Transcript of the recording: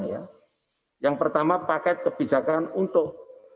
yang pertama paket kebijakan untuk